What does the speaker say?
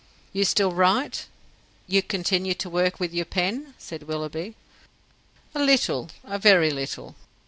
"You still write? you continue to work with your pen?" said Willoughby. "A little; a very little."